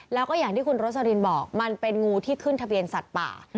แล้วก็อย่างที่คุณโรสลินบอกมันเป็นงูที่ขึ้นทะเบียนสัตว์ป่า